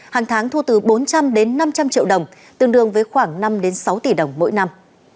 hàng tháng thu từ bốn trăm linh đến năm trăm linh triệu đồng tương đương với khoảng năm sáu tỷ đồng mỗi năm